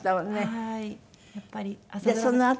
はい。